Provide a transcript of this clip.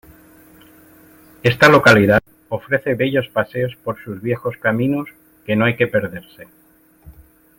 Esta localidad ofrece bellos paseos por sus viejos caminos que no hay que perderse.